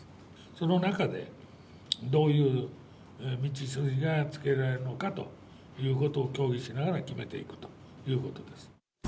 その中で、どういう道筋がつけられるのかということを協議しながら決めていくということです。